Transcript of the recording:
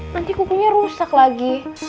nanti kukunya rusak lagi